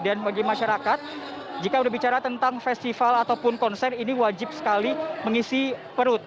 dan bagi masyarakat jika sudah bicara tentang festival ataupun konser ini wajib sekali mengisi perut